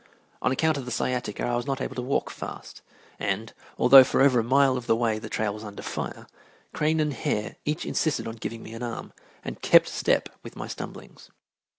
On account of the sciatica I was not able to walk fast, and, although for over a mile of the way the trail was under fire, Crane and Hare each insisted on giving me an arm, and kept step with my stumblings.